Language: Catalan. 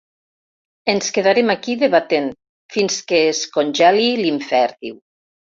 Ens quedarem aquí debatent fins que es congelil’infern, diu.